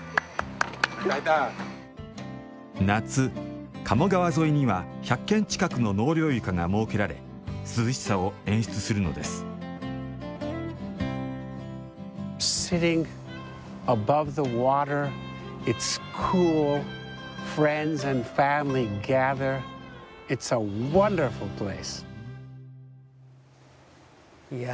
夏鴨川沿いには１００件近くの納涼床が設けられ涼しさを演出するのですいや